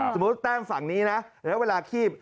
สมมุติแต้มฝั่งนี้นะแล้วเวลาคีบ